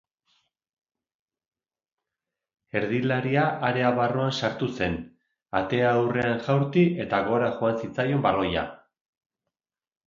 Erdilaria area barruan sartu zen atea aurrean jaurti eta gora joan zitzaion baloia.